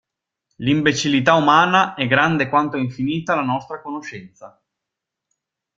L'imbecillità umana è grande quanto è infinita la nostra conoscenza.